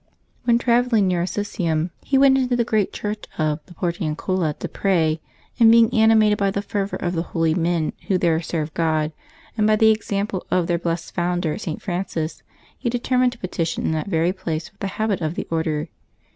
When travel ling near Assisium he went into the great Church of the Portiuncula to pray, and being animated by the fervor of the holy men who there served God, and by the example of their blessed founder St. Francis, he determined to petition in that very place for the habit of the Order.